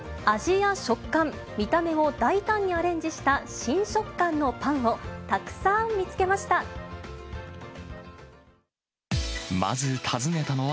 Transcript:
味や食感、見た目を大胆にアレンジした新食感のパンをたくさん見つけました。